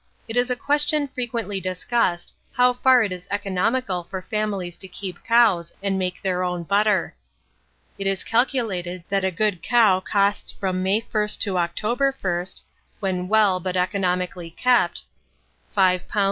It is a question frequently discussed, how far it is economical for families to keep cows and make their own butter. It is calculated that a good cow costs from May 1 to October 1, when well but economically kept, £5. 16s.